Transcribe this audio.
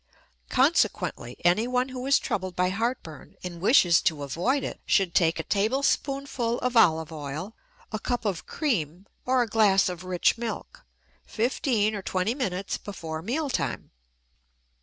Consequently, anyone who is troubled by heartburn and wishes to avoid it _should take a tablespoonful of olive oil, a cup of cream, or a glass of rich milk fifteen or twenty minutes before meal time_.